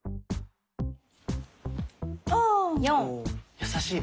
やさしい。